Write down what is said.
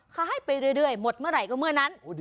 ขายไปเรื่อยหมดเมื่อไหร่ก็เมื่อนั้น